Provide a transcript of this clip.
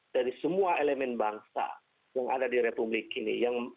dari semua elemen bangsa yang ada di republik ini